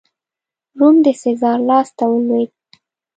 روم د سزار لاسته ولوېد.